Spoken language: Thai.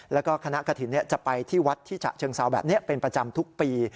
แล้วก็คณะกระถิ่นจะไปที่วัดที่ฉะเชิงเซาแบบนี้เป็นประจำทุกปี